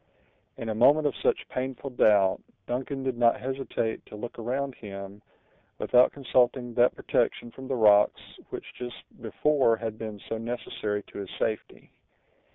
In a moment of such painful doubt, Duncan did not hesitate to look around him, without consulting that protection from the rocks which just before had been so necessary to his safety.